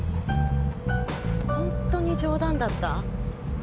本当に冗談だった？